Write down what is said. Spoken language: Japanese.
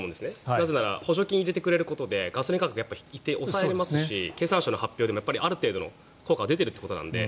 なぜなら補助金を入れてくれることでガソリン価格が一定、抑えられますし経産省の発表でもある程度の効果は出ているということなので。